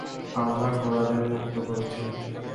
আমরা ঘোড়াদের মুক্ত করেছি।